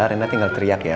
rena tinggal teriak ya